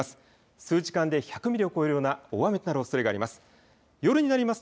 数時間で１００ミリを超えるような大雨となるおそれがあります。